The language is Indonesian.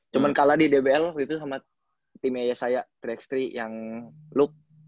cuma kalah di dbl waktu itu sama timnya saya tiga x tiga yang loop